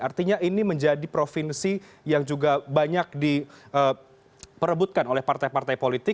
artinya ini menjadi provinsi yang juga banyak diperebutkan oleh partai partai politik